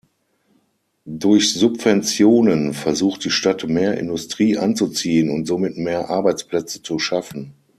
Durch Subventionen versucht die Stadt mehr Industrie anzuziehen und somit mehr Arbeitsplätze zu schaffen.